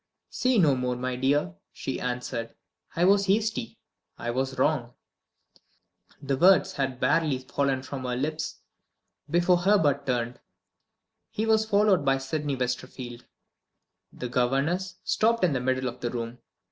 "Say no more, my dear," she answered "I was hasty; I was wrong." The words had barely fallen from her lips, before Herbert returned. He was followed by Sydney Westerfield. The governess stopped in the middle of the room.